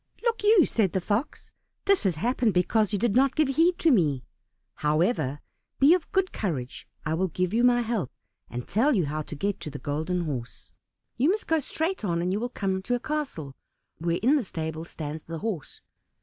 "Look you," said the Fox, "this has happened because you did not give heed to me. However, be of good courage. I will give you my help, and tell you how to get to the Golden Horse. You must go straight on, and you will come to a castle, where in the stable stands the horse.